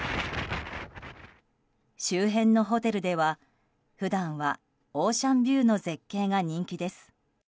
周辺のホテルでは、普段はオーシャンビューの絶景が人気です。